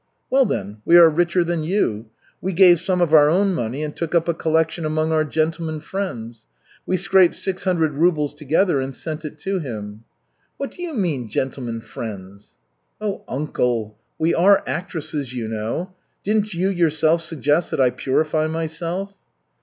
"Well, then, we are richer than you. We gave some of our own money and took up a collection among our gentlemen friends. We scraped six hundred rubles together and sent it to him." "What do you mean 'gentlemen friends?'" "Oh, uncle, we are actresses, you know. Didn't you yourself suggest that I purify myself?"